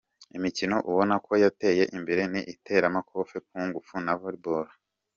Imikino ubonako yateye imbere ni iteramakofe, kung-fu na volley ball.